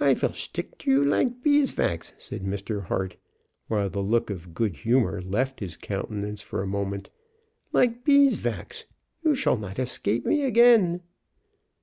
"I vill stick to you like beesvax," said Mr. Hart, while the look of good humor left his countenance for a moment. "Like beesvax! You shall not escape me again."